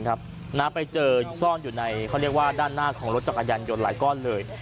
ไปเจอซ่อนอยู่ในเขาเรียกว่าด้านหน้าของรถจักรยานยนต์หลายก้อนเลย